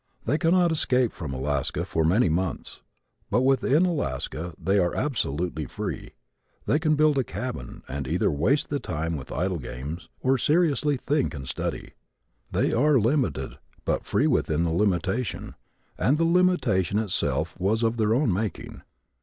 They cannot escape from Alaska for many months but within Alaska they are absolutely free. They can build a cabin and either waste the time with idle games or seriously think and study. They are limited but free within the limitation, and the limitation itself was of their own making.